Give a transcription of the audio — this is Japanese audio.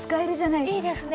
いいですね。